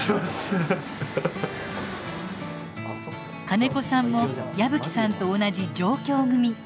金子さんも矢吹さんと同じ上京組。